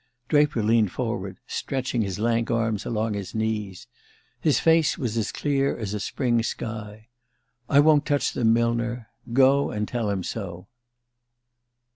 ..." Draper leaned forward, stretching his lank arms along his knees. His face was as clear as a spring sky. "I won't touch them, Millner Go and tell him so.